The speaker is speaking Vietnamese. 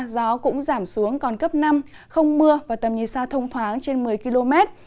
gió cũng giảm xuống còn cấp năm không mưa và tầm nhìn xa thông thoáng trên một mươi km